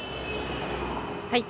はい。